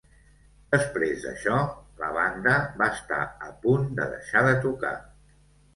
Després d'això la banda va estar a punt de deixar de tocar.